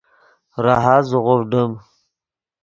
راحت زیغوڤڈیم